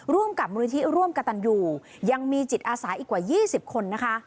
ร่วมกับมูลนิธิร่วมกระตันอยู่ยังมีจิตอาสาอีกกว่า๒๐คนนะคะ